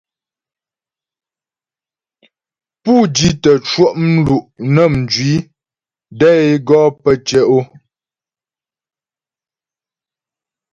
Pú di tə́ cwɔ' mlu' nə́ mjwi də é gɔ pə́ tyɛ' o.